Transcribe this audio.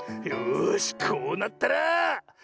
よしこうなったら。